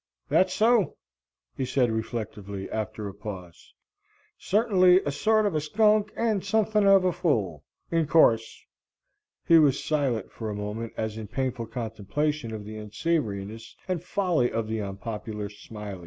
"That's so," he said reflectively, after a pause, "certingly a sort of a skunk and suthin of a fool. In course." He was silent for a moment as in painful contemplation of the unsavoriness and folly of the unpopular Smiley.